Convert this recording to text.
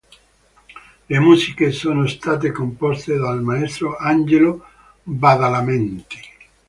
Le musiche sono state composte dal maestro Angelo Badalamenti.